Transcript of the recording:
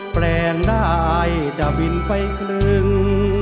แปลงได้จะบินไปครึ่ง